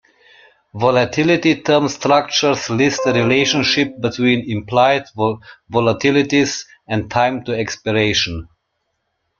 Volatility term structures list the relationship between implied volatilities and time to expiration.